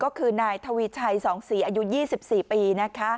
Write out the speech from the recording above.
ก็คือนายทวีชัย๒ศรีอายุ๒๔ปี